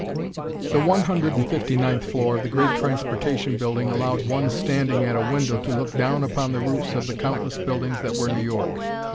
] The one hundred and fifty ninth floor of the great Transportation Building allowed one standing at a window to look down upon the roofs of the countless buildings that were New York.